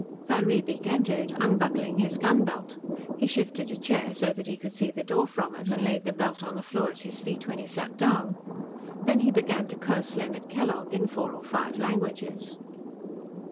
Van Riebeek entered, unbuckling his gun belt. He shifted a chair so that he could see the door from it, and laid the belt on the floor at his feet when he sat down. Then he began to curse Leonard Kellogg in four or five languages.